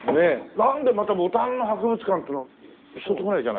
なんでまたボタンの博物館っていうのはひとつぐらいじゃないですか？